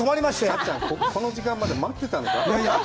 かっちゃん、この時間まで待ってたんだよ。